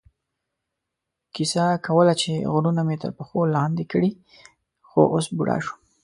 کیسه کوله چې غرونه مې تر پښو لاندې کړي، خو اوس بوډا شوم.